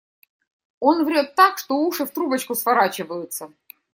Он врёт так, что уши в трубочку сворачиваются.